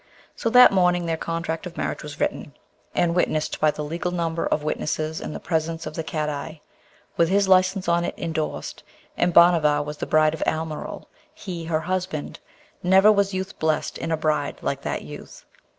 So that morning their contract of marriage was written, and witnessed by the legal number of witnesses in the presence of the Cadi, with his license on it endorsed; and Bhanavar was the bride of Almeryl, he her husband. Never was youth blessed in a bride like that youth!